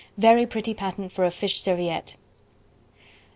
Very Pretty Pattern for a Fish Serviette.